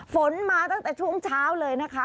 ฝนมาตั้งแต่ช่วงเช้าเลยนะคะ